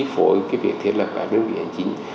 với cái việc thiết lập các đơn vị hành chính